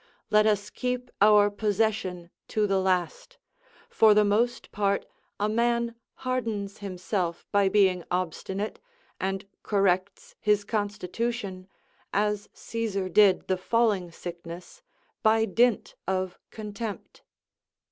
Let us keep our possession to the last; for the most part, a man hardens himself by being obstinate, and corrects his constitution, as Caesar did the falling sickness, by dint of contempt.